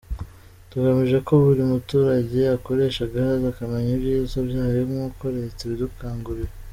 Tugamije ko buri muturage akoresha gaz, akamenya ibyiza byayo nk’uko Leta ibidukangurira.